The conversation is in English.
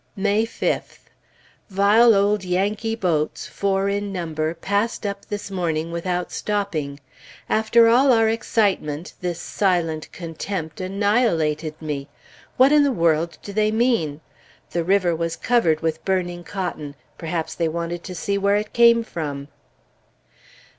May 5th. Vile old Yankee boats, four in number, passed up this morning without stopping. After all our excitement, this "silent contempt" annihilated me! What in the world do they mean? The river was covered with burning cotton; perhaps they want to see where it came from.